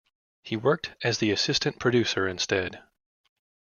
He worked as the assistant producer instead.